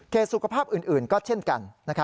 สุขภาพอื่นก็เช่นกัน